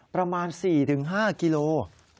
ประมาณ๔๕กิโล